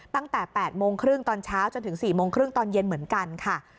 ตั้งแต่๘โมงครึ่งตอนเช้าจนถึง๔โมงครึ่งตอนเย็นเหมือนกันค่ะ